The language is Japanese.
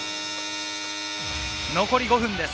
残り５分です。